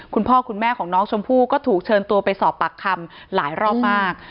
คุณพ่อคุณแม่ของน้องชมพู่ก็ถูกเชิญตัวไปสอบปากคำหลายรอบมาก